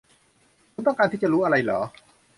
คุณต้องการที่จะรู้อะไรหรอ